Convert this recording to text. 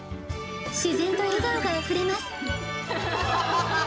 自然と笑顔があふれます。